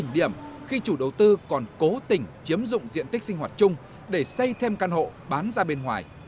điểm khi chủ đầu tư còn cố tình chiếm dụng diện tích sinh hoạt chung để xây thêm căn hộ bán ra bên ngoài